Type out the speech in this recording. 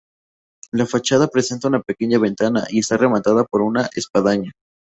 La fachada presenta una pequeña ventana y está rematada por una espadaña.